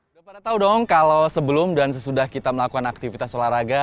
udah pada tau dong kalau sebelum dan sesudah kita melakukan aktivitas olahraga